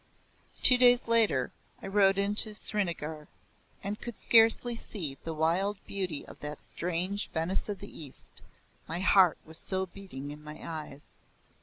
Two days later I rode into Srinagar, and could scarcely see the wild beauty of that strange Venice of the East, my heart was so beating in my eyes.